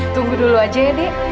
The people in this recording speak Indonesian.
tunggu dulu aja ya dik